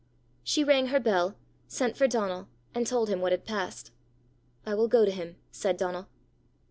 She rang her bell, sent for Donal, and told him what had passed. "I will go to him," said Donal.